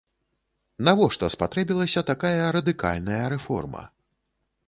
Навошта спатрэбілася такая радыкальная рэформа?